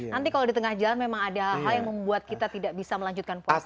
nanti kalau di tengah jalan memang ada hal yang membuat kita tidak bisa melanjutkan puasa